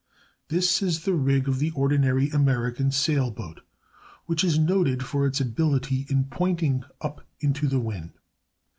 This is the rig of the ordinary American sail boat, which is noted for its ability in pointing up into the wind.